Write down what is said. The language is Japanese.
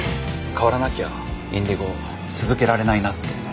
変わらなきゃＩｎｄｉｇｏ続けられないなって。